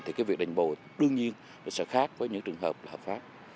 thì cái việc đành bộ đương nhiên sẽ khác với những trường hợp là hợp pháp